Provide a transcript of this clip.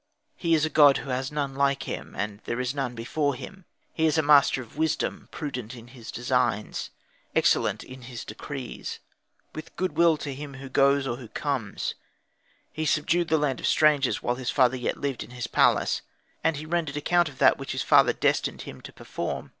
He is a god who has none like him, and there is none before him. He is a master of wisdom, prudent in his designs, excellent in his decrees, with good will to him who goes or who comes; he subdued the land of strangers while his father yet lived in his palace, and he rendered account of that which his father destined him to perform.